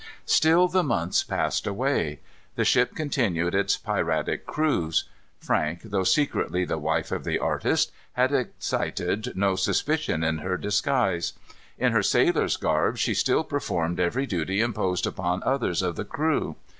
Still the months passed away. The ship continued its piratic cruise. Frank, though secretly the wife of the artist, had excited no suspicion of her disguise. In her sailor's garb she still performed every duty imposed upon others of the crew.